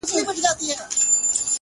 خداى دي له بدوسترگو وساته تل ـ